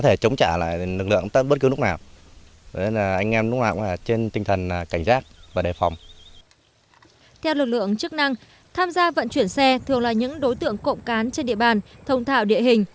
thông tin thông tin thông tin thông tin thông tin thông tin thông tin thông tin thông tin thông tin thông tin thông tin thông tin thông tin